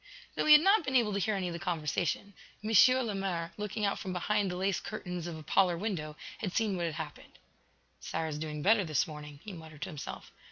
Though he had not been able to hear any of the conversation, M. Lemaire, looking out from behind the lace curtains of a parlor window, had seen what had happened. "Sara is doing better this morning," he muttered to himself.